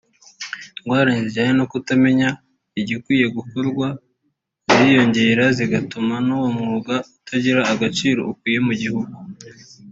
ingorane zijyanye no kutamenya igikwiye gukorwa ziriyongera zigatuma n’uwo mwuga utagira agaciro ukwiye mu gihugu